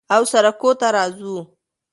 او سروکو ته راځو